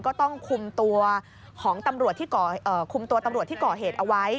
ก็ต้องคุมตัวตำรวจที่ก่อเหตุเอาไว้